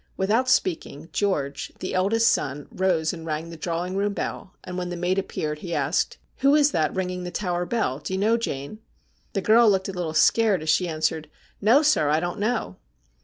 Without speaking, George, the eldest son, rose and rang the drawing room bell, and when the maid appeared he asked :' Who is that ringing the tower bell, do you know, Jane ?' The girl looked a little scared as she answered :' No, sir, I don't know.'